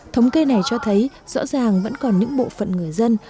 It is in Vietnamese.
thống kê này cho thấy rõ ràng vẫn còn những bộ phận người dân